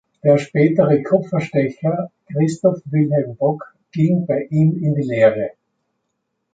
Der spätere Kupferstecher Christoph Wilhelm Bock ging bei ihm in die Lehre.